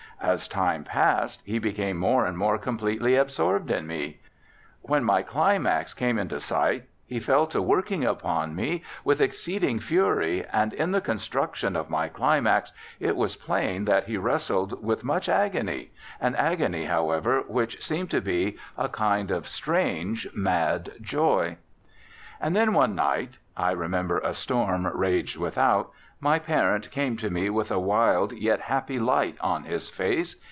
As time passed he became more and more completely absorbed in me. When my climax came into sight he fell to working upon me with exceeding fury, and in the construction of my climax it was plain that he wrestled with much agony an agony, however, which seemed to be a kind of strange, mad joy. And then one night (I remember a storm raged without) my parent came to me with a wild, yet happy, light on his face.